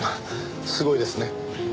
すごいですね。